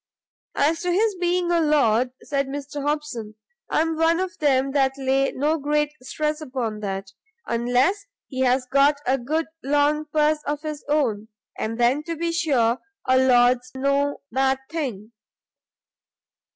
"As to his being a Lord," said Mr Hobson, "I am one of them that lay no great stress upon that, unless he has got a good long purse of his own, and then, to be sure, a Lord's no bad thing.